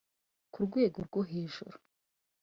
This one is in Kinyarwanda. Ku rwego rwo hejuru